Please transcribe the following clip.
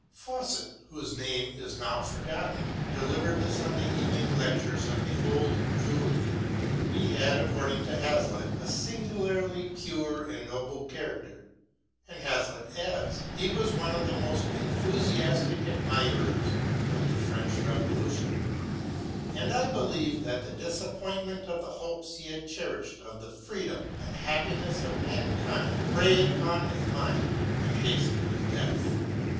Fawcet, whose name is now forgotten, delivered the Sunday Evening Lectures at the Old Jewry. He had, according to Hazlitt, a singularly pure and noble character, and Hazlitt adds :" He was one of the most enthusiastic admirers" of the French Revolution, and I believe that the disappointment of the hopes he had cherished of the freedom and happiness of mankind preyed upon his mind and hastened his death."